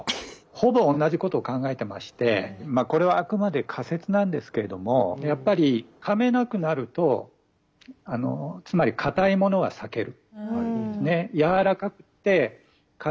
ほぼ同じことを考えてましてこれはあくまで仮説なんですけれどもやっぱりかめなくなるとつまりかたいものは避ける。